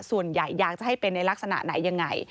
ส่วนใหญ่อยากจะให้เป็นในลักษณะไหนยังไง